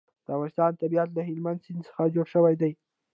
د افغانستان طبیعت له هلمند سیند څخه جوړ شوی دی.